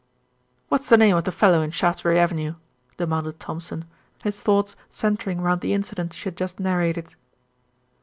"What's the name of the fellow in Shaftesbury Avenue?" demanded Thompson, his thoughts centring round the incident she had just narrated.